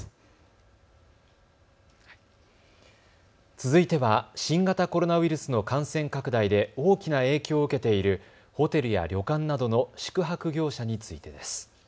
続いては、新型コロナウイルスの感染拡大で大きな影響を受けているホテルや旅館などの宿泊業者についてです。